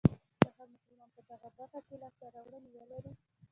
که هر مسلمان په دغه برخه کې لاسته راوړنې ولرلې.